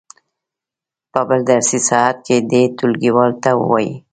په بل درسي ساعت کې دې ټولګیوالو ته ووایي.